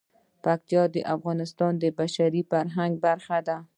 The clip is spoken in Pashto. پکتیا د افغانستان د بشري فرهنګ برخه ده.